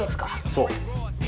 そう。